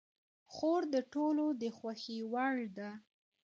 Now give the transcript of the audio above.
خور د ټولو د خوښې وړ ده.